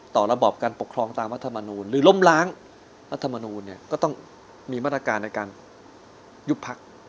ระบอบการปกครองตามรัฐมนูลหรือล้มล้างรัฐมนูลเนี่ยก็ต้องมีมาตรการในการยุบพัก